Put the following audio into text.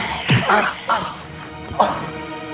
ini pada saat ini